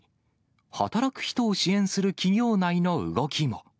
働く人を支援する企業内の動きも。